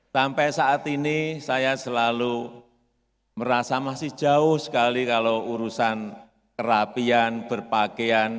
sampai saat ini saya selalu merasa masih jauh sekali kalau urusan kerapian berpakaian